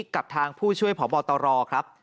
กับทางผู้ช่วยพบตรครับ